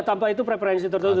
tanpa itu preferensi tertentu